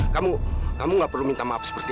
kamu gak perlu minta maaf seperti itu